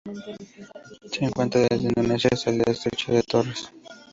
Se encuentra desde Indonesia hasta el Estrecho de Torres.